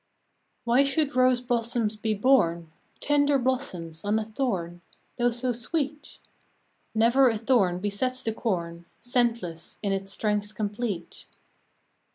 " Why should rose blossoms be born, Tender blossoms, on a thorn Though so sweet ? Never a thorn besets the corn Scentless in its strength complete.